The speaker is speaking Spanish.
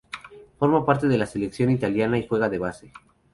Forma parte de la selección italiana y juega de base.